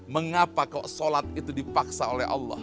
mengapa kok sholat itu dipaksa oleh allah